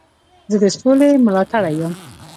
زه د سولي ملاتړی یم.